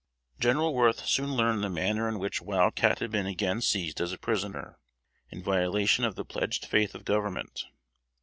General Worth soon learned the manner in which Wild Cat had been again seized as a prisoner, in violation of the pledged faith of Government.